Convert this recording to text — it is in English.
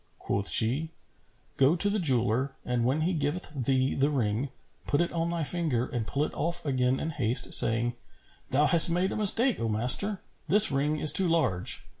Quoth she, "Go to the jeweller and when he giveth thee the ring, put it on thy finger and pull it off again in haste, saying, 'Thou hast made a mistake, O master! This ring is too large.